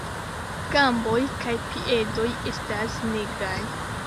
Gamboj kaj piedoj estas nigraj.